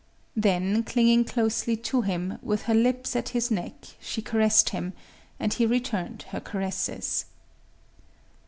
… Then clinging closely to him, with her lips at his neck, she caressed him; and he returned her caresses.